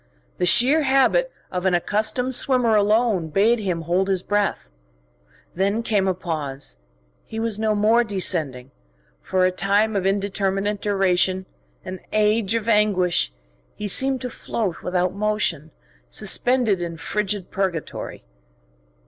The sheer habit of an accustomed swimmer alone bade him hold his breath. Then came a pause: he was no more descending; for a time of indeterminate duration, an age of anguish, he seemed to float without motion, suspended in frigid purgatory.